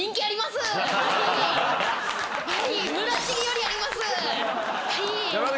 村重よりあります。